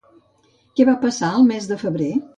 Què va passar al mes de febrer?